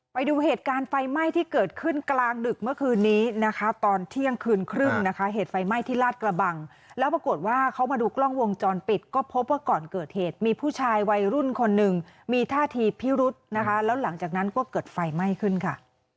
ไปดูเหตุการณ์ไฟไหม้ที่เกิดขึ้นกลางดึกเมื่อคืนนี้นะคะตอนเที่ยงคืนครึ่งนะคะเหตุไฟไหม้ที่ลาดกระบังแล้วปรากฏว่าเขามาดูกล้องวงจรปิดก็พบว่าก่อนเกิดเหตุมีผู้ชายวัยรุ่นคนหนึ่งมีท่าทีพิรุษนะคะแล้วหลังจากนั้นก็เกิดไฟไหม้ขึ้นค่ะ